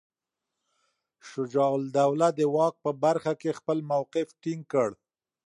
شجاع الدوله د واک په برخه کې خپل موقف ټینګ کړ.